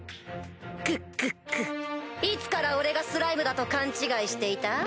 クックックッいつから俺がスライムだと勘違いしていた？